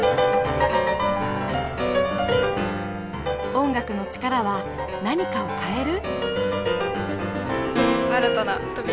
音楽の力は何かを変える？